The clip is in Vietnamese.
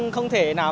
không thể nào